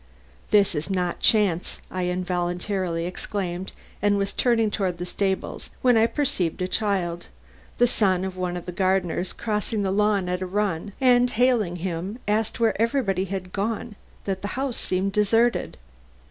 "This is not chance," I involuntarily exclaimed, and was turning toward the stables when I perceived a child, the son of one of the gardeners, crossing the lawn at a run, and hailing him, asked where everybody had gone that the house seemed deserted.